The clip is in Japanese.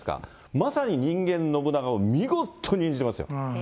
まさに人間信長を見事に演じまし